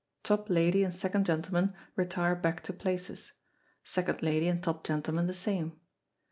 Top lady and second gentleman retire back to places second lady and top gentleman the same.